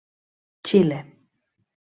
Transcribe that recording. Xile.